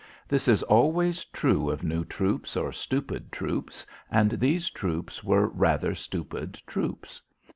This is always true of new troops or stupid troops and these troops were rather stupid troops.